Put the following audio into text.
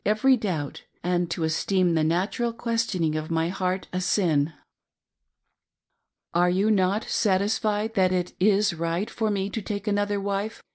every doubt, and to esteem the natural questioning of my heart a sin. "Are you not satisfied that it ig^,rigljt for me to take another , wife?"